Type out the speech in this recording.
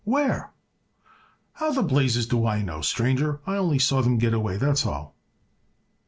"Where?" "How the blazes do I know, stranger? I only saw them get away, that's all."